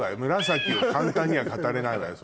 紫を簡単には語れないわよ